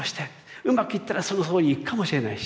うまくいったらそのとおりにいくかもしれないし。